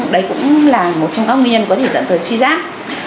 đây cũng là một trong các nguyên nhân có thể dẫn tới suy giác